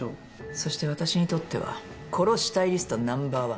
そして私にとっては殺したいリストナンバーワン。